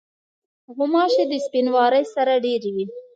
غوماشې د سپینواري سره ډېری وي.